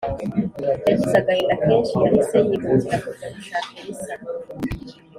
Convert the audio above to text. yagize agahinda kenshi Yahise yihutira kujya gushaka Elisa